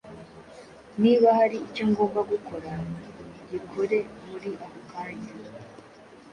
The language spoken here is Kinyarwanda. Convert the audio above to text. Niba hari icyo ngomba gukora gikoremuri aka kanya,